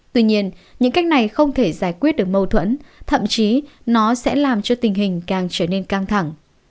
tuy nhiên những cách này không thể giải quyết được mâu thuẫn thậm chí nó sẽ làm cho tình hình càng trở nên căng thẳng